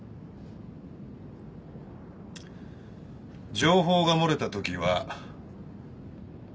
情報が漏れたときは。